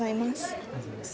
ありがとうございます。